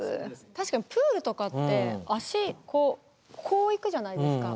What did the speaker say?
確かにプールとかって足こういくじゃないですか。